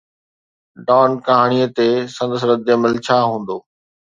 Don ڪهاڻي تي سندس ردعمل ڇا هوندو؟